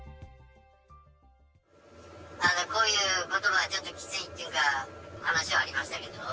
こういうことばはちょっときついというか、話はありましたけど。